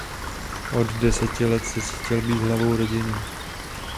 Od deseti let se cítil být hlavou rodiny.